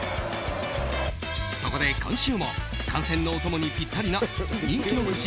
そこで今週も観戦のお供にぴったりな人気お菓子